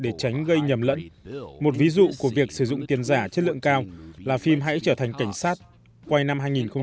để tránh gây nhầm lẫn một ví dụ của việc sử dụng tiền giả chất lượng cao là phim hãy trở thành cảnh sát quay năm hai nghìn một mươi năm